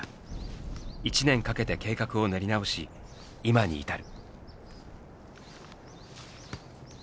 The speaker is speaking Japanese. １年かけて計画を練り直し今に至る。